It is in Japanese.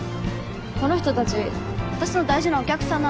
この人たち私の大事なお客さんなんで。